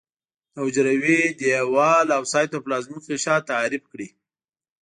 د حجروي دیوال او سایتوپلازمیک غشا تعریف کړي.